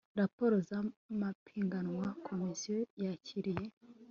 raporo z amapiganwa komisiyo yakiriye